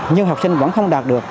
nhưng học sinh vẫn không đạt được